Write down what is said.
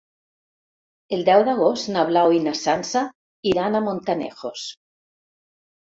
El deu d'agost na Blau i na Sança iran a Montanejos.